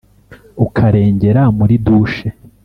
ukarengera muri douche